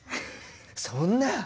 そんな。